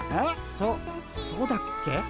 そそうだっけ？